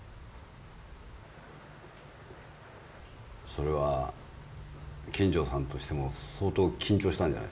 それは金城さんとしても相当緊張したんじゃないですか？